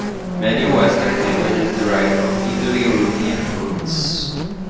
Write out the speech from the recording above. Many Western languages derive from Indo-European roots